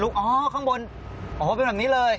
อ๋อข้างบนโอ้โหเป็นแบบนี้เลย